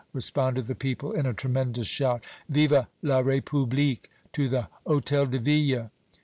responded the people in a tremendous shout. "Vive la République! to the Hôtel de Ville!"